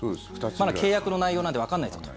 まだ契約の内容なんてわかんないぞと。